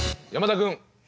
山田君。